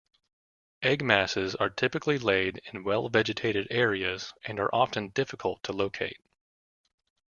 Egg masses are typically laid in well-vegetated areas and are often difficult to locate.